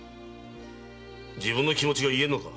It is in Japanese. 自分の気持ちが言えんのか？